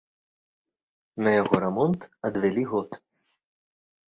На яго рамонт адвялі год.